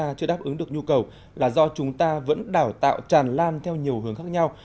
chúng ta chưa đáp ứng được nhu cầu là do chúng ta vẫn đào tạo tràn lan theo nhiều hướng khác nhau